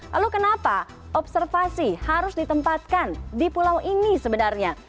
lalu kenapa observasi harus ditempatkan di pulau ini sebenarnya